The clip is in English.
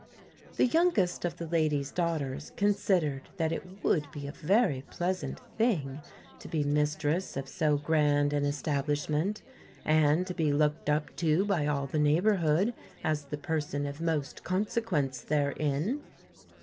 The youngest of the lady's daughters considered that it would be a very pleasant thing to be mistress of so grand an establishment, and to be looked up to by all the neighbourhood as the person of most consequence therein.